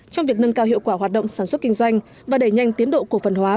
trong việc nâng cao hiệu quả hoạt động sản xuất kinh doanh và đẩy nhanh tiến độ cổ phần hóa